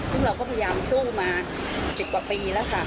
ซึ่งเราก็พยายามสู้มา๑๐กว่าปีแล้วค่ะ